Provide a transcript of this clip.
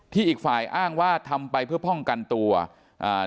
อีกฝ่ายอ้างว่าทำไปเพื่อป้องกันตัวอ่า